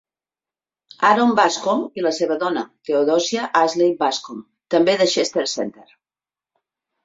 Aaron Bascom i la seva dona, Theodosia Ashley Bascom, també de Chester Center.